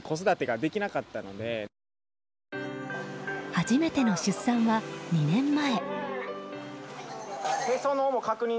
初めての出産は２年前。